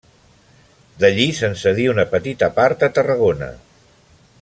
D'allí, se'n cedí una petita part a Tarragona.